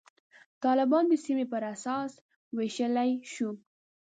طالبان د سیمې پر اساس ویشلای شو.